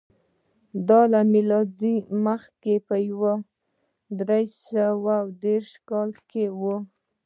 دا له میلاد څخه مخکې په یو سوه درې دېرش کال کې و